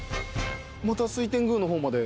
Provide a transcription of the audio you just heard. また水天宮の方まで。